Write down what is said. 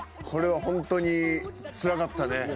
これはホントにつらかったね。